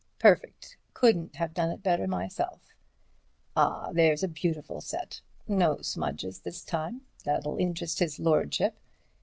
Perfect. Couldn't have done it better myself. Ah! there's a beautiful set. No smudges this time. That'll interest his lordship.